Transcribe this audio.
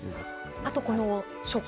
あとこの食感。